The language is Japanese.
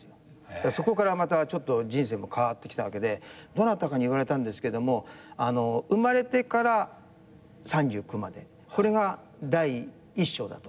そこからまたちょっと人生も変わってきたわけでどなたかに言われたんですけど生まれてから３９までこれが第１章だと。